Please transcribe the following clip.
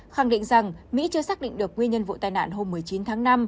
khẳng định rằng mỹ chưa xác định được nguyên nhân vụ tai nạn hôm một mươi chín tháng năm